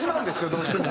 どうしても。